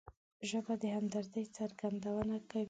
ژبه د همدردۍ څرګندونه کوي